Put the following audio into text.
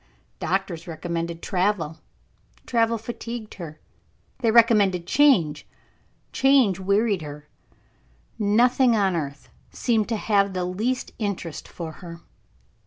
Doctors recommended travel; travel fatigued her; they recommended change; change wearied her nothing on earth seemed to have the least interest for her.